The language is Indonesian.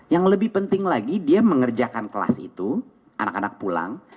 yang lebih penting lagi dia mengerjakan kelas itu anak anak pulang